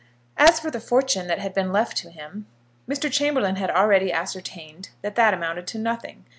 As for the fortune that had been left to him, Mr. Chamberlaine had already ascertained that that amounted to nothing.